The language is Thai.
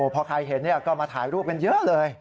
พอใครเห็นก็มาถ่ายรูปกันเยอะเลย